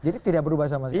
jadi tidak berubah sama sekali